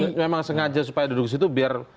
jangan jangan memang sengaja supaya duduk situ biar